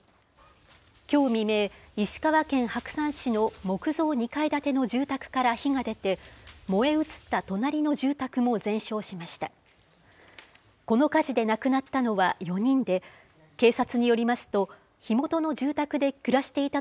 きょう未明、石川県白山市の木造２階建ての住宅から火が出て、燃え移った隣の住宅も全焼しました。